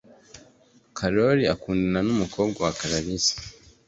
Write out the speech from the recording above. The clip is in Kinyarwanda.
karori akundana numukobwa wa kalasira